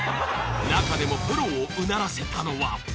［中でもプロをうならせたのは］